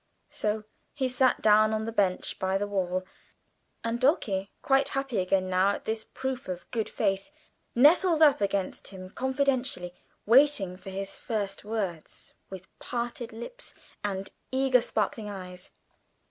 So he sat down on the bench by the wall, and Dulcie, quite happy again now at this proof of good faith, nestled up against him confidingly, waiting for his first words with parted lips and eager sparkling eyes.